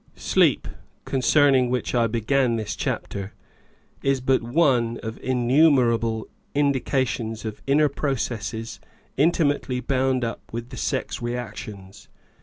Sleep, concerning which I began this chapter, is but one of innumerable indications of inner processes intimately bound up with the sex reactions.